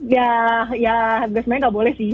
ya ya sebenarnya nggak boleh sih